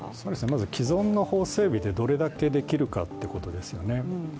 まず既存の法整備でどれだけできるかということですよね。